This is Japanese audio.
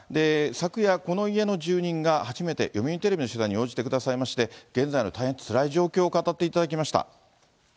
昨夜この家の住人が初めて読売テレビの取材に応じてくださいまして、現在の大変つらい状況を語っていただきました。